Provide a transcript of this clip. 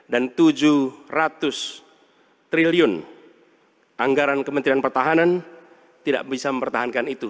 dan tujuh ratus triliun anggaran kementrian pertahanan tidak bisa mempertahankan itu